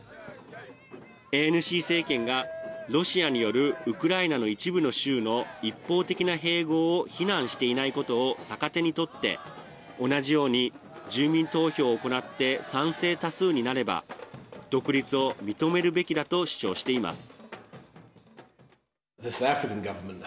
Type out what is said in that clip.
ＡＮＣ政権がロシアによるウクライナの一部の州の一方的な併合を非難していないことを逆手に取って同じように住民投票を行って賛成多数になれば独立を認めるべきだと主張しています。